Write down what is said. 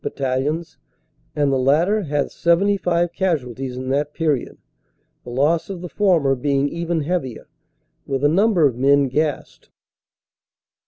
Battalions, and the latter has 75 casualties in that period, the loss of the former being even heavier, with a number of men gassed.